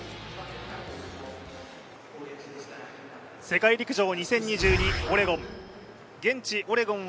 世界陸上２０２２オレゴン。